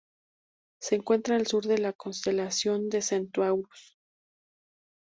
Se encuentra al sur de la constelación de Centaurus.